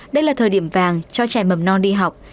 đây là thời điểm vàng cho trẻ mầm non đi học